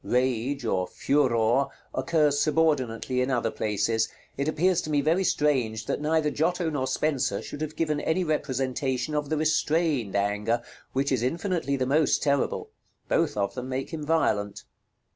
Rage, or Furor, occurs subordinately in other places. It appears to me very strange that neither Giotto nor Spenser should have given any representation of the restrained Anger, which is infinitely the most terrible; both of them make him violent.